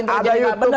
ini ada youtube nya